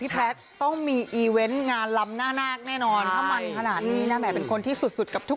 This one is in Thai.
แสดงความยืดดีครับบัญดิตก็ด้วย